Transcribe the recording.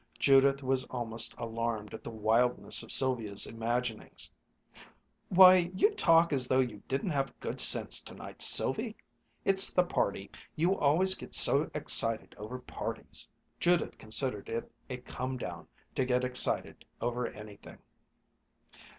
Judith was almost alarmed at the wildness of Sylvia's imaginings. "Why, you talk as though you didn't have good sense tonight, Sylvie. It's the party. You always get so excited over parties." Judith considered it a "come down" to get excited over anything.